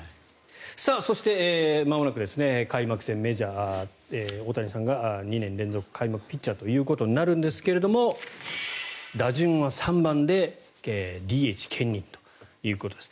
そして、まもなく開幕戦、メジャー大谷さんが２年連続開幕ピッチャーということになるんですが打順は３番でＤＨ兼任ということです。